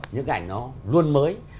những cái ảnh nó luôn mới